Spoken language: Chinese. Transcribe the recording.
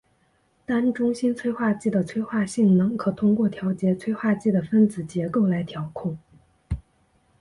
单中心催化剂的催化性能可通过调节催化剂的分子结构来调控。